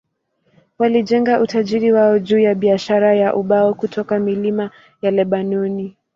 Walijenga utajiri wao juu ya biashara ya ubao kutoka milima ya Lebanoni.